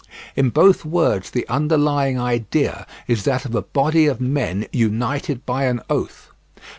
In both words the underlying idea is that of a body of men united by an oath.